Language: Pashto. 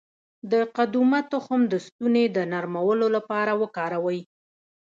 د قدومه تخم د ستوني د نرمولو لپاره وکاروئ